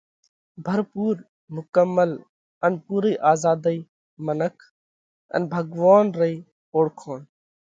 ڀرپُور، مڪمل ان پُورئِي آزاڌئِي منک ان ڀڳوونَ رئِي اوۯکوڻ: